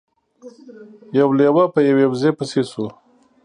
یو لیوه په یوې وزې پسې شو.